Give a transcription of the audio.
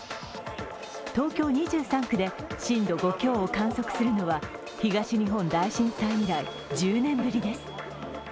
東京２３区で震度５強を観測するのは東日本大震災以来１０年ぶりです。